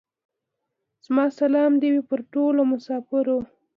زما سلام دي وې پر ټولو مسافرو.